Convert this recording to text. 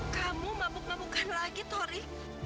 kamu mabuk mabukan lagi tori